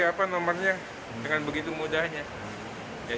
tapi apa nomornya dengan begitu mudahnya